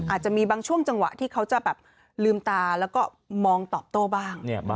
อาจจะมีบางช่วงจังหวะที่เขาจะแบบลืมตาแล้วก็มองตอบโต้บ้าง